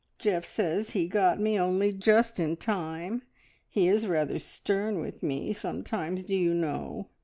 Geoff says he got me only just in time. He is rather stern with me sometimes, do you know.